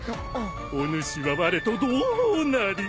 お主はわれと同胞なり。